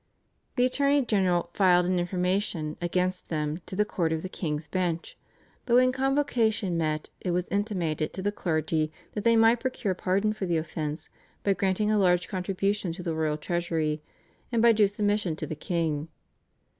The attorney general filed an information against them to the court of King's Bench, but when Convocation met it was intimated to the clergy that they might procure pardon for the offence by granting a large contribution to the royal treasury and by due submission to the king.